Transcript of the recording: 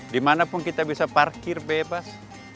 dimana pun kita bisa parkir bebas